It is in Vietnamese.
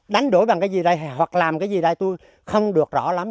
đánh đổi bằng cái gì đây hoặc làm cái gì đây tôi không được rõ lắm